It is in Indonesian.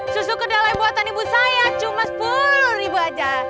susu kedelai buatan ibu saya cuma sepuluh ribu aja